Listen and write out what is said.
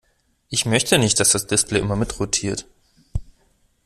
Ich möchte nicht, dass das Display immer mitrotiert.